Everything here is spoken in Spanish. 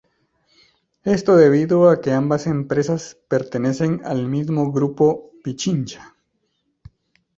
Esto debido a que ambas empresas pertenecen al mismo Grupo Pichincha.